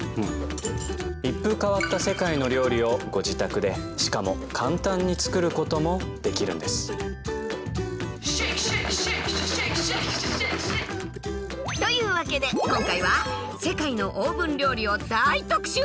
一風変わった世界の料理をご自宅でしかも簡単に作ることもできるんですというわけで今回は世界のオーブン料理を大特集！